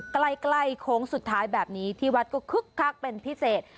ใกล้โค้งสุดท้ายแบบนี้ที่วัดก็คึกคักเป็นพิเศษ